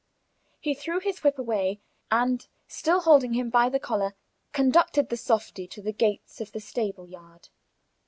He threw his whip away, and, still holding him by the collar, conducted the softy to the gates of the stable yard.